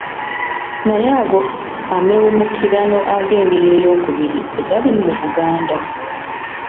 Naye ago amawemukirano ag'engeri ey'okubiri tegaalimu mu Buganda.